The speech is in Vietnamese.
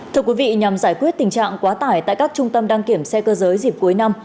thưa quý vị nhằm giải quyết tình trạng quá tải tại các trung tâm đăng kiểm xe cơ giới dịp cuối năm